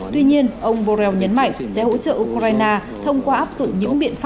tuy nhiên ông borrell nhấn mạnh sẽ hỗ trợ ukraine thông qua áp dụng những biện pháp